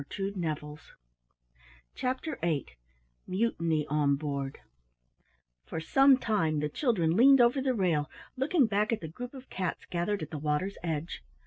CHAPTER VIII MUTINY ON BOARD For some time the children leaned over the rail looking back at the group of cats gathered at the water's edge.